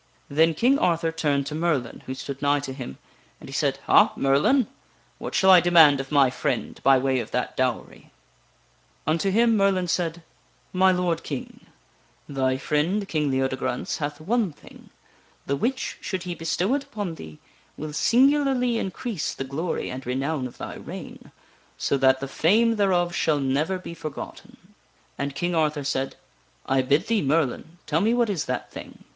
Then King Arthur turned to Merlin, who stood nigh to him, and he said :" Ha, Merlin ! What shall I demand of my friend by way of that dowery ?" Unto him Merlin said :" My lord King, thy friend King Leodegrance hath one thing, the which, should he bestow it upon thee, will singularly increase the glory and renown of thy reign, so that the fame thereof shall never be forgotten.'* And King Arthur said :" I bid thee, Merlin, tell me what is that thing."